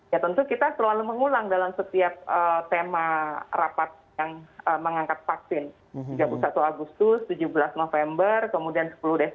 ya tentu kita selalu mengulang dalam setiap laporan